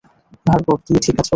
ভার্গব, তুমি ঠিক আছ?